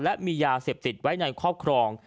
และมียาเสพติดไว้ในครอบครอง